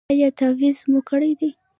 ایا تعویذ مو کړی دی؟